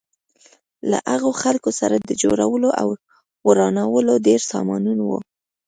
له هغو خلکو سره د جوړولو او ورانولو ډېر سامانونه وو.